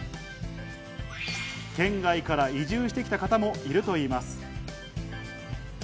県外から移住してきた方もいるといいます。